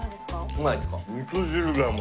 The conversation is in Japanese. うまいですか？